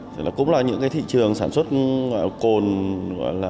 thì cũng là những cái thị trường sản xuất cồn liên quan